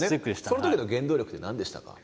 そのときの原動力って何でしたか？